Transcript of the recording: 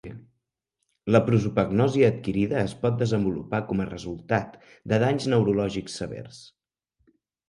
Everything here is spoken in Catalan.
La prosopagnòsia adquirida es pot desenvolupar com a resultat de danys neurològics severs.